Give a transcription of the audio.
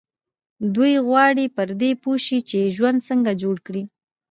دوی غواړي پر دې پوه شي چې ژوند څنګه جوړ کړي.